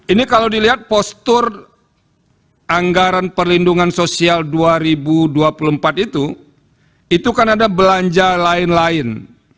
ini kalau dilihat postur anggaran perlindungan sosial dua ribu dua puluh empat itu itu kan ada belanja lain lain